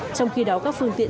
trong khi đó các phương tiện